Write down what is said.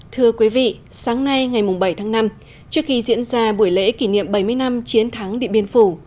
thưa quý vị sáng nay ngày bảy tháng năm trước khi diễn ra buổi lễ kỷ niệm bảy mươi năm chiến thắng điện biên phủ